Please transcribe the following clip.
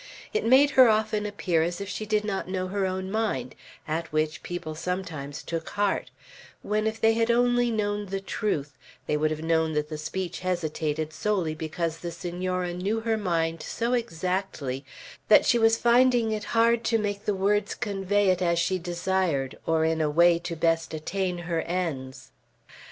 It made her often appear as if she did not known her own mind; at which people sometimes took heart; when, if they had only known the truth, they would have known that the speech hesitated solely because the Senora knew her mind so exactly that she was finding it hard to make the words convey it as she desired, or in a way to best attain her ends.